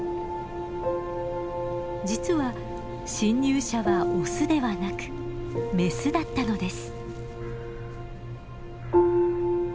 実は侵入者はオスではなくメスだったのです。